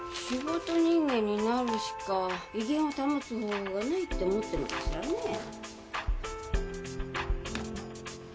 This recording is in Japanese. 仕事人間になるしか威厳を保つ方法がないって思ってるのかしらね。